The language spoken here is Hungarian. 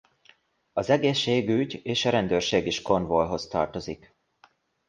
Az egészségügy és a rendőrség is Cornwallhoz tartozik.